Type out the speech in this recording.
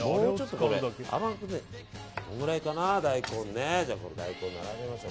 このくらいかな、大根ね。